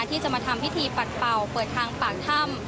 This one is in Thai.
ที่จะมาทำพิธีปัดเป่าเปิดทางปากถ้ำ